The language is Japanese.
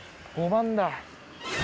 ５番だ。